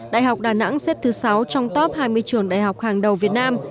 đại học đà nẵng xếp thứ sáu trong top hai mươi trường đại học hàng đầu việt nam